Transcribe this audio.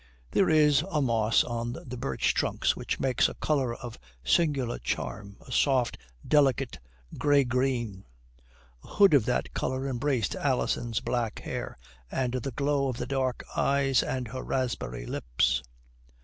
There is a moss on the birch trunks which makes a colour of singular charm, a soft, delicate, grey green. A hood of that colour embraced Alison's black hair and the glow of the dark eyes and her raspberry lips.